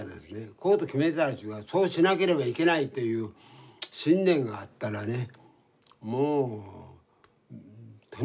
こうと決めたらというかそうしなければいけないという信念があったらね